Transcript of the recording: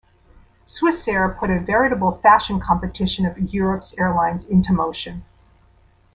Swissair put a veritable fashion competition of Europe's airlines into motion.